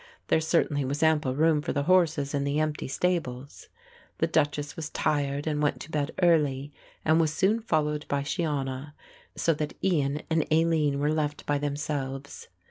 There certainly was ample room for the horses in the empty stables. The Duchess was tired and went to bed early and was soon followed by Shiona, so that Ian and Aline were left by themselves.